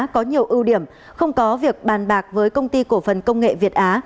có nhiều ưu điểm không có việc bàn bạc với công ty cổ phần công nghệ việt á